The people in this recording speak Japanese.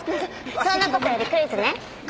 そんなことよりクイズね。